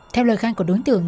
theo lời khai của đối tượng